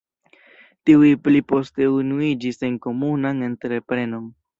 Tiuj pli poste unuiĝis en komunan entreprenon.